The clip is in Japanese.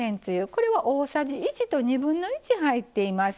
これは大さじ１1/2入っています。